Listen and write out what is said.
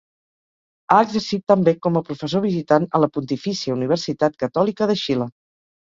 Ha exercit també com a professor visitant a la Pontifícia Universitat Catòlica de Xile.